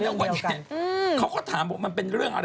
เพราะว่าตัวเอกยังไม่พร้อมทำตอบ